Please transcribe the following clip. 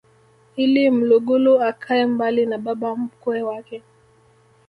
ili mlugulu akae mbali na baba mkwe wake